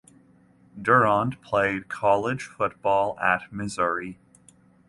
Durant played college football at Missouri.